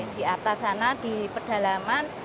di atas sana di pedalaman